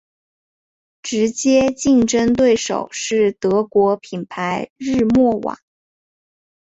直接竞争对手是德国品牌日默瓦。